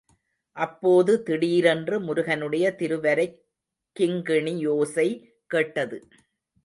அப்போது திடீரென்று முருகனுடைய திருவரைக் கிங்கிணி யோசை கேட்டது.